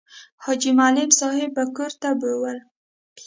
حاجي معلم صاحب به کور ته بېول.